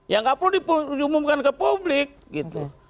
yang gak perlu diumumkan ke publik gitu